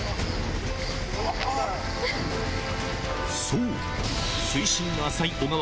そう！